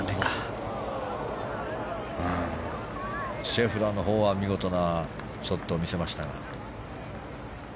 シェフラーのほうは見事なショットを見せましたが。